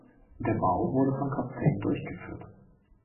Der Bau wurde von Costain durchgeführt.